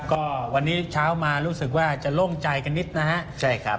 ก็วันนี้เช้ามารู้สึกว่าจะโล่งใจกันนิดนะฮะใช่ครับ